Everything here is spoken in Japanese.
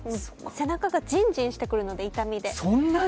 背中がジンジンしてくるので、痛みで。